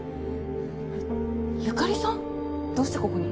え由香里さんどうしてここに。